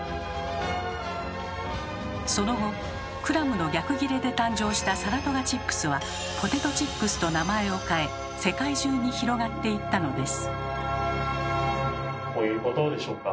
その後クラムの逆ギレで誕生したサラトガチップスは「ポテトチップス」と名前を変え世界中に広がっていったのです。